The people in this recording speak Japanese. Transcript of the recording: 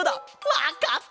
わかった！